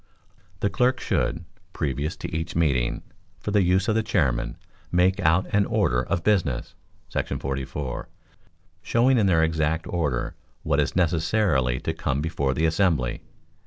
The clerk should, previous to each meeting, for the use of the chairman, make out an order of business [§ 44], showing in their exact order what is necessarily to come before the assembly.